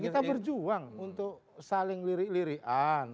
kita berjuang untuk saling lirik lirian